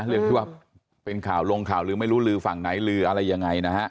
เรื่องที่ว่าเป็นข่าวลงข่าวลือไม่รู้ลือฝั่งไหนลืออะไรยังไงนะฮะ